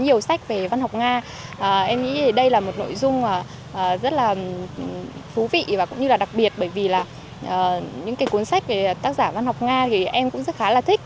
nhiều sách về văn học nga em nghĩ đây là một nội dung rất là thú vị và cũng như là đặc biệt bởi vì là những cái cuốn sách về tác giả văn học nga thì em cũng rất khá là thích